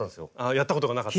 やったことがなかった？